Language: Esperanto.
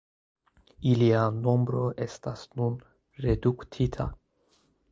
Ilia nombro estas nun reduktita.